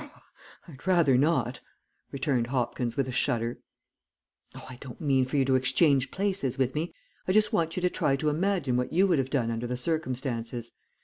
"I'd rather not," returned Hopkins with a shudder. "Oh, I don't mean for you to exchange places with me. I just want you to try to imagine what you would have done under the circumstances.